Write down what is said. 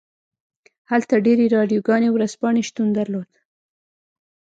هلته ډیرې راډیوګانې او ورځپاڼې شتون درلود